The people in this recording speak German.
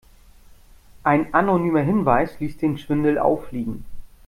Ein anonymer Hinweis ließ den Schwindel auffliegen.